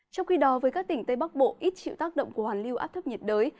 trong khi đó với các tỉnh tây bắc bộ ít chịu tác động của hoàn lưu áp thấp nhiệt đới